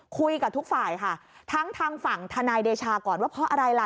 คุยกับทุกฝ่ายค่ะทั้งทางฝั่งทนายเดชาก่อนว่าเพราะอะไรล่ะ